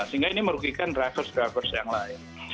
sehingga ini merugikan drivers drivers yang lain